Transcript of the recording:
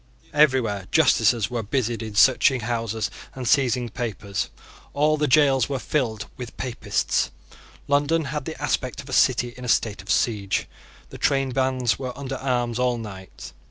Everywhere justices were busied in searching houses and seizing papers. All the gaols were filled with Papists. London had the aspect of a city in a state of siege. The trainbands were under arms all night.